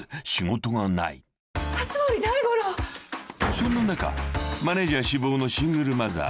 ［そんな中マネジャー志望のシングルマザー